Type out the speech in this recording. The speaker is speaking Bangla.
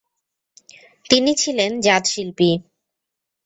তিনি ছিলেন জাত শিল্পী।